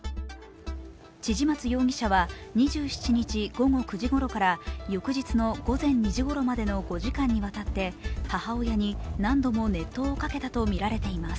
千々松容疑者は２７日午後９時ごろから翌日の午前２時ごろまでの５時間にわたって母親に何度も熱湯をかけたとみられています。